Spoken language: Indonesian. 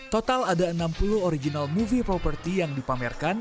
total ada enam puluh original movie property yang dipamerkan